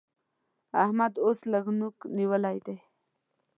احمد اوس لږ نوک نيول دی